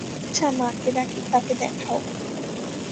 আচ্ছা, মাকে ডাকি, তাঁকে দেখাও।